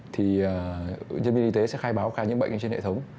thì nhân viên y tế sẽ khai báo ca nhiễm bệnh trên hệ thống